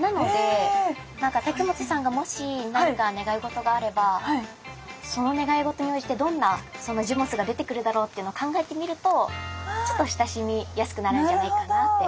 なので武元さんがもし何か願い事があればその願い事に応じてどんな持物が出てくるだろうっていうのを考えてみるとちょっと親しみやすくなるんじゃないかなって。